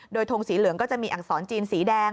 โดยทงสีเหลืองก็จะมีอักษรจีนสีแดง